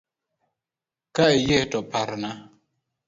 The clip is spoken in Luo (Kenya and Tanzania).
Ka iyie to parna